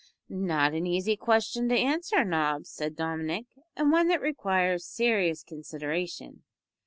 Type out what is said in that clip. "Not an easy question to answer, Nobbs," said Dominick, "and one that requires serious consideration.